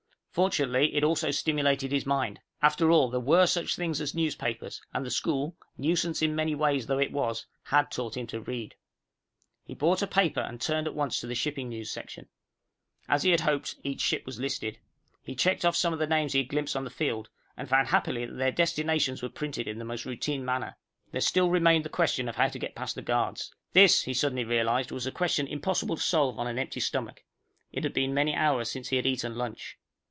Fortunately, it also stimulated his mind. After all, there were such things as newspapers, and the school, nuisance in many ways though it was, had taught him to read. He bought a paper and turned at once to the shipping news section. As he had hoped, every ship was listed. He checked off some of the names he had glimpsed on the field, and found happily that their destinations were printed in the most routine manner. There still remained the question of how to get past the guards. This, he suddenly realized, was a question impossible to solve on an empty stomach. It had been many hours since he had eaten lunch.